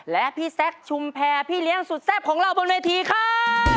และพี่แซคชุมแพรพี่เลี้ยงสุดแซ่บของเราบนเวทีค่ะ